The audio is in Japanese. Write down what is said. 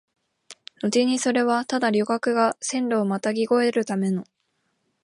のちにそれはただ旅客が線路をまたぎ越えるための、